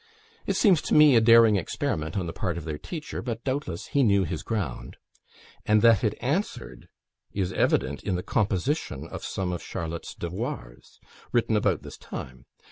It seems to me a daring experiment on the part of their teacher; but, doubtless, he knew his ground; and that it answered is evident in the composition of some of Charlotte's devoirs, written about this time.